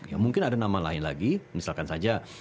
ya mungkin ada nama lain lagi misalkan saja